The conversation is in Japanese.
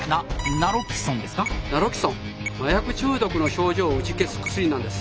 ナロキソン麻薬中毒の症状を打ち消す薬なんです。